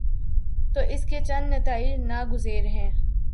تو اس کے چند نتائج ناگزیر ہیں۔